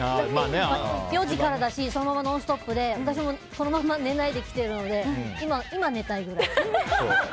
４時からだしそのまま「ノンストップ！」で寝ないで来てるので今寝たいぐらい。